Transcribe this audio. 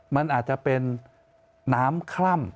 มันอาจจะเป็นน้ำคล่ำ